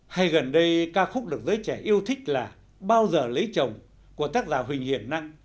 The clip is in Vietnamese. hay gần đây ca khúc được giới trẻ yêu thích là bao giờ lấy chồng của tác giả huỳnh hiển năng